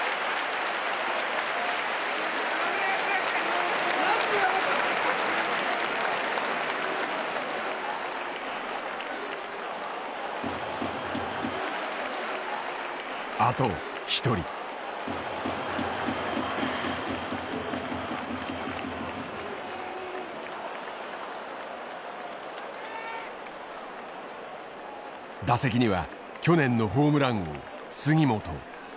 打席には去年のホームラン王杉本。